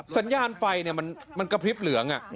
สัญญาณไฟมันกระพริบเหลือง